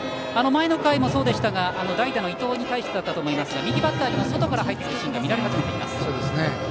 前の回もそうでしたが代打の伊藤に対してでしたが右バッターに外から入ってくるシーンが見られ始めています。